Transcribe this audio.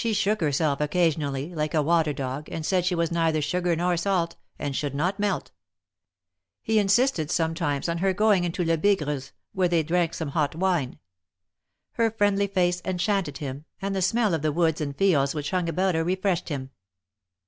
She shook herself occasionally, like a water dog, and said she was neither sugar nor salt, and should not melt. He insisted, sometimes, on her going THE MARKETS OF PARIS. 155 into Lebigre's, where they drank some hot wine. Her friendly face enchanted him, and the smell of the woods and fields which hung about her refreshed him.